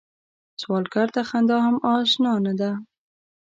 سوالګر ته خندا هم اشنا نه ده